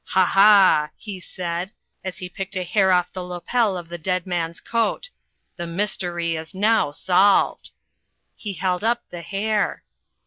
"Ha! ha!" he said, as he picked a hair off the lapel of the dead man's coat. "The mystery is now solved." He held up the hair.